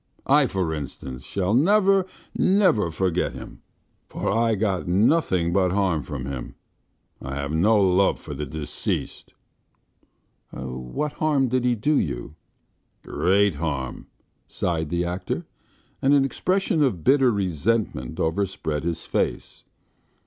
I, for instance, shall never, never forget him, for I got nothing but harm from him. I have no love for the deceased." "What harm did he do you?" "Great harm," sighed the actor, and an expression of bitter resentment overspread his face.